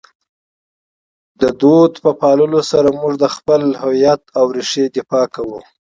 د فرهنګ په پاللو سره موږ د خپل هویت او رېښې دفاع کوو.